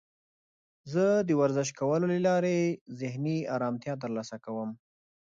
زه د ورزش کولو له لارې ذهني آرامتیا ترلاسه کوم.